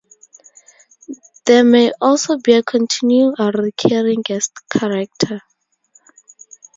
There may also be a continuing or recurring guest character.